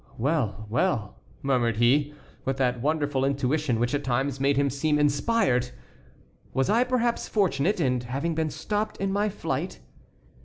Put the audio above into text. "Well! well!" murmured he, with that wonderful intuition which at times made him seem inspired, "was I perhaps fortunate in having been stopped in my flight?"